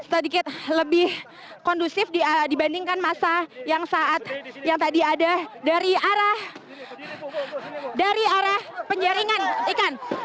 sedikit lebih kondusif dibandingkan masa yang saat yang tadi ada dari arah dari arah penjaringan ikan